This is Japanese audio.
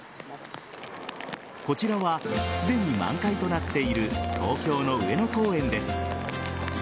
こちらはすでに満開となっている東京の上野公園です。